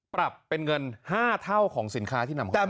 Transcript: ปรับเป็นเงิน๕เท่าของสินค้าที่นำเข้ามา